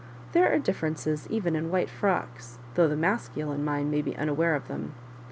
There are differences even in white frocks, though tlie masculine mind may be unaware of . them.